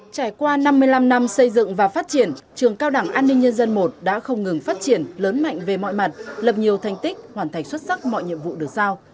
trải qua năm mươi năm năm xây dựng và phát triển trường cao đảng an ninh nhân dân i đã không ngừng phát triển lớn mạnh về mọi mặt lập nhiều thành tích hoàn thành xuất sắc mọi nhiệm vụ được giao